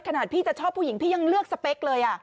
ขนาดพี่จะชอบผู้หญิงพี่ยังเลือกสเปคเลย